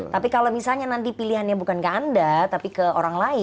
tapi kalau misalnya nanti pilihannya bukan ke anda tapi ke orang lain